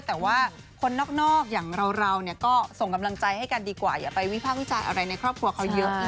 แต่ว่าคนนอกอย่างเราก็ส่งกำลังใจให้กันดีกว่าอย่าไปวิภาควิจารณ์อะไรในครอบครัวเขาเยอะนะ